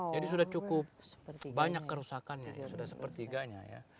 jadi sudah cukup banyak kerusakannya sudah sepertiganya ya